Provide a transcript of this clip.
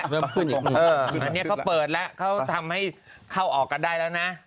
เริ่มขึ้นอันนี้เขาเปิดแล้วเขาทำให้เข้าออกกันได้แล้วนะ